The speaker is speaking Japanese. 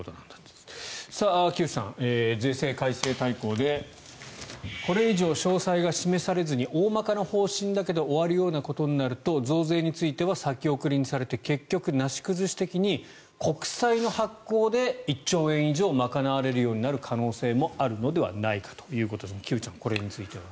木内さん、税制改正大綱でこれ以上詳細が示されずに大まかな方針だけで終わるようなことになると増税については先送りにされて結局なし崩し的に国債の発行で１兆円以上賄われるようになる可能性もあるということで木内さん、これについては。